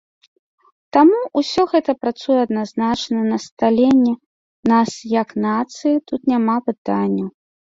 Таму, усё гэта працуе адназначна на сталенне нас як нацыі, тут няма пытанняў.